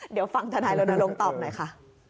เดี๋ยวฟังท่านทายโรนโรงตอบหน่อยค่ะ